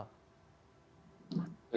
jaminannya apa pak